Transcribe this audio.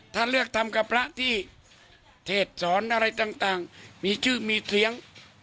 ถ้าเลือกทำกับพระที่เทศสอนอะไรต่างมีชื่อมีเสียง